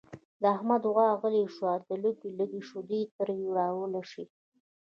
د احمد غوا غله شوې ده لږې لږې شیدې ترې را لوشي.